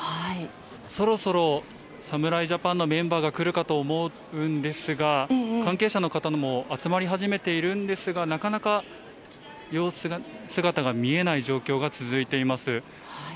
そろそろ、侍ジャパンのメンバーが来るかと思うんですが、関係者の方も集まり始めているんですが、なかなか姿が見えない状況が続いています。